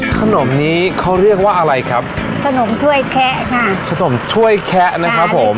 ขนมนี้เขาเรียกว่าอะไรครับขนมถ้วยแคะค่ะขนมถ้วยแคะนะครับผม